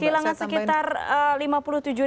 kehilangan sekitar lima puluh tujuh ribu suara loh